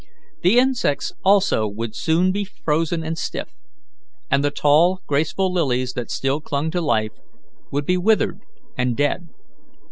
The insects also would soon be frozen and stiff, and the tall, graceful lilies that still clung to life would be withered and dead.